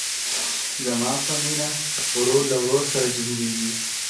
زما په مینه ورور له ورور سره جنګیږي